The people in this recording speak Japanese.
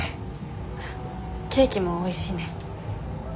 ケーキもおいしいね。